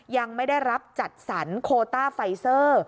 ยังไม่ได้รับจัดสรรโคต้าไฟเซอร์